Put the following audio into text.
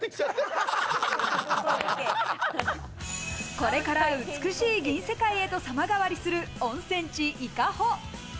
これから美しい銀世界へと様変わりする温泉地・伊香保。